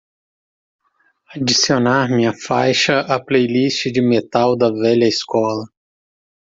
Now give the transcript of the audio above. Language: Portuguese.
Adicionar minha faixa à playlist de metal da velha escola